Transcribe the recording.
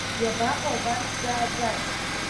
Иабаҟоу абарҭ зааӡаз?